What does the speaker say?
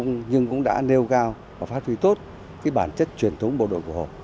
nhưng cũng đã nêu cao và phát huy tốt cái bản chất truyền thống bộ đội của họ